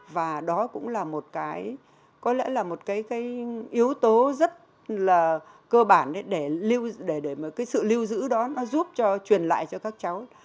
và đó cũng là một cái có lẽ là một cái yếu tố rất là cơ bản để mà cái sự lưu giữ đó nó giúp cho truyền lại cho các cháu